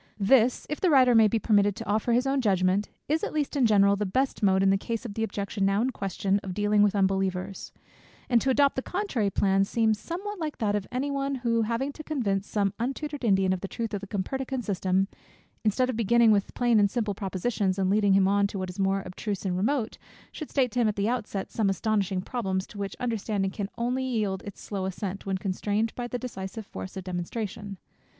This, if the writer may be permitted to offer his own judgment, is (at least in general) the best mode, in the case of the objection now in question, of dealing with unbelievers; and to adopt the contrary plan, seems somewhat like that of any one, who having to convince some untutored Indian of the truth of the Copernican system, instead of beginning with plain and simple propositions, and leading him on to what is more abstruse and remote, should state to him at the outset some astonishing problems, to which the understanding can only yield its slow assent, when constrained by the decisive force of demonstration.